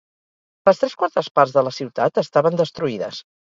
Les tres quartes parts de la ciutat estaven destruïdes.